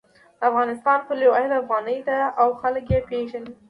د افغانستان پولي واحد افغانۍ ده او خلک یی پیژني